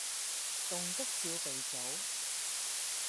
棟篤笑鼻祖